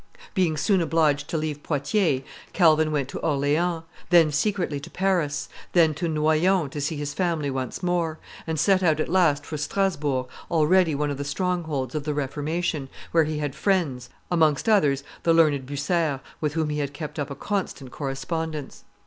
Being soon obliged to leave Poitiers, Calvin went to Orleans, then secretly to Paris, then to Noyon to see his family once more, and set out at last for Strasbourg, already one of the strongholds of the Reformation, where he had friends, amongst others the learned Bucer, with whom he had kept up a constant correspondence.